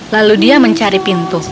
lalu dia mencari pintu